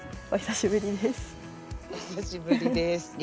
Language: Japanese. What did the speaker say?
お久しぶりです。